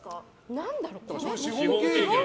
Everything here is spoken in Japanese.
何だろう？